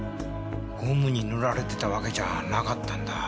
ゴムに塗られてたわけじゃなかったんだ。